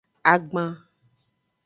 Agban.